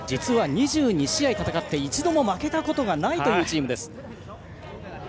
２２試合戦って一度も負けたことがないというチームです。